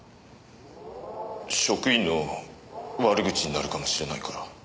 職員の悪口になるかもしれないから。